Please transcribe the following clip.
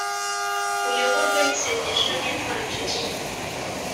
uyoborwe n’isengesho n’ivanjili